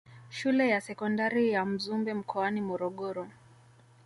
Shule ya sekondari ya Mzumbe mkoani Morogoro